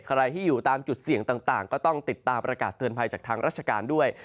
ใครที่อยู่ตามจุดเสี่ยงต่างก็ต้องติดตามประกาศเตือนภัยจากทางราชการด้วย